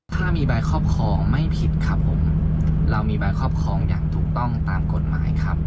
ถ้ามีใบครอบครองไม่ผิดครับผมเรามีใบครอบครองอย่างถูกต้องตามกฎหมายครับ